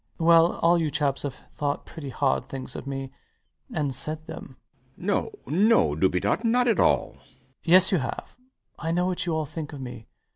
Well, all you chaps have thought pretty hard things of me, and said them. B. B. [quite overcome] No, no, Dubedat. Not at all. LOUIS. Yes, you have. I know what you all think of me.